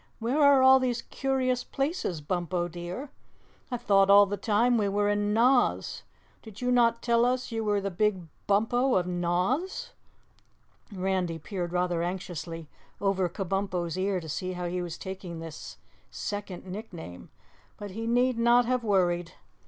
"Where are all these curious places, Bumpo dear? I thought all the time we were in Noz. Did you not tell us you were the Big Bumpo of Noz?" Randy peered rather anxiously over Kabumpo's ear to see how he was taking this second nickname, but he need not have worried.